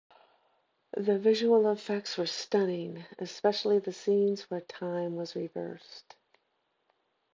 The visual effects were stunning, especially the scenes where time was reversed.